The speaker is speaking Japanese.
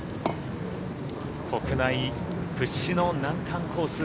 国内屈指の難関コース